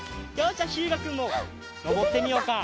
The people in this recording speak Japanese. じゃあひゅうがくんものぼってみようか。